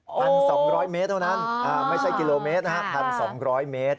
พันสองร้อยเมตรเท่านั้นอ่าไม่ใช่กิโลเมตรนะฮะพันสองร้อยเมตร